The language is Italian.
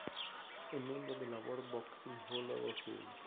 È membro della World Boxing Hall of Fame.